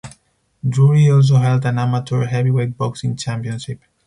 Drury also held an amateur heavyweight boxing championship.